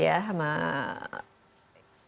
ini adalah aplikasi dari insight